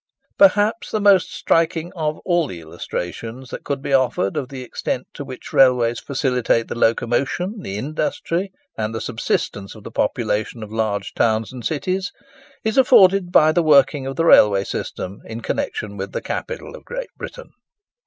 Perhaps the most striking of all the illustrations that could be offered of the extent to which railways facilitate the locomotion, the industry, and the subsistence of the population of large towns and cities, is afforded by the working of the railway system in connection with the capital of Great Britain.